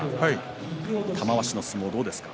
玉鷲の相撲、どうですか？